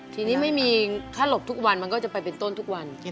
ทีนี้ไม่มีถ้าหลบทุกวันมันก็จะไปเป็นต้นทุกวัน